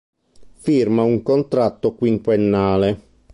Firma un contratto quinquennale.